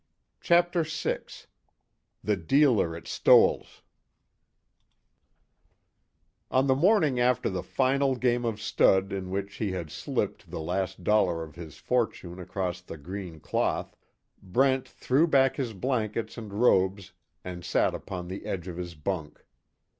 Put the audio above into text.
CHAPTER VI THE DEALER AT STOELL'S On the morning after the final game of stud in which he had slipped the last dollar of his fortune across the green cloth, Brent threw back his blankets and robes and sat upon the edge of his bunk.